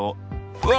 うわ！